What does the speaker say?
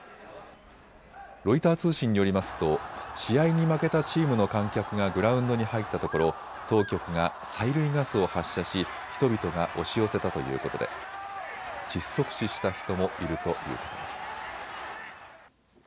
ロイター通信によりますと試合に負けたチームの観客がグラウンドに入ったところ当局が催涙ガスを発射し人々が押し寄せたということで窒息死した人もいるということです。